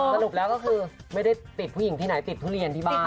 สรุปแล้วก็คือไม่ได้ติดผู้หญิงที่ไหนติดทุเรียนที่บ้าน